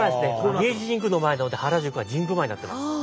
明治神宮の前なので原宿は神宮前になってます。